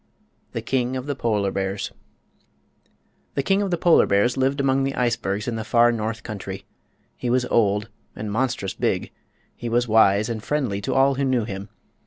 THE KING OF THE POLAR BEARS The King of the Polar Bears lived among the icebergs in the far north country. He was old and monstrous big; he was wise and friendly to all who knew him.